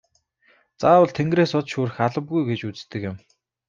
Заавал тэнгэрээс од шүүрэх албагүй гэж үздэг юм.